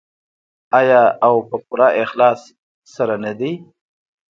آیا او په پوره اخلاص سره نه دی؟